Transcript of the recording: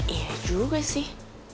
iya juga sih